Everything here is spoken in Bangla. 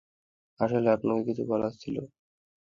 আসলে, আপনাকে কিছু বলার ছিল।